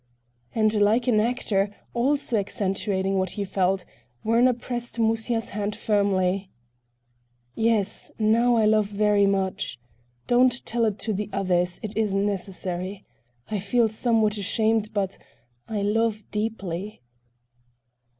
And like an actor, also accentuating what he felt, Werner pressed Musya's hand firmly: "Yes, now I love very much. Don't tell it to the others,—it isn't necessary, I feel somewhat ashamed, but I love deeply."